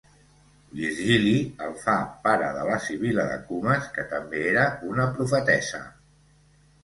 Virgili el fa pare de la sibil·la de Cumes, que també era una profetessa.